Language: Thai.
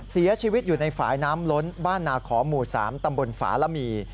เสียชีวิตอยู่ในฝ่ายน้ำล้นบ้านนาขอหมู่๓ตำบลฝาระมี